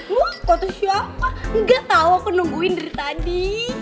lo angkat siapa gak tau aku nungguin dari tadi